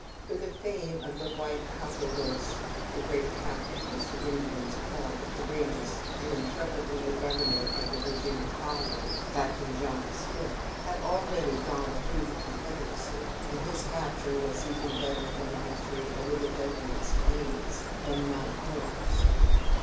For the fame of "the white cau co rouse," the "great captain," as the Indians called the courageous and intrepid little governor of the Virginia colony, Captain John Smith, had already gone throughout the confederacy, and his capture was even better than a victory over their deadliest enemies, the Manna ho acks.